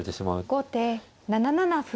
後手７七歩。